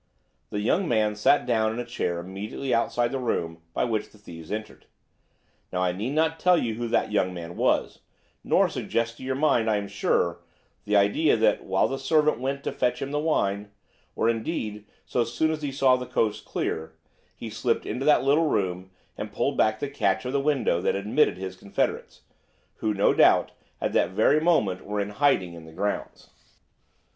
the young man sat down in a chair immediately outside the room by which the thieves entered. Now I need not tell you who that young man was, nor suggest to your mind, I am sure, the idea that while the servant went to fetch him his wine, or, indeed, so soon as he saw the coast clear, he slipped into that little room and pulled back the catch of the window that admitted his confederates, who, no doubt, at that very moment were in hiding in the grounds.